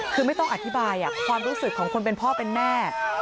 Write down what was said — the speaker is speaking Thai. คือไม่ต้องอธิบายความรู้สึกของคนเป็นพ่อเป็นแม่